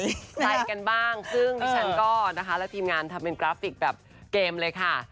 ใครกันบ้างซึ่งดิฉันก็นะคะและทีมงานทำเป็นกราฟิกแบบเกมเลยค่ะ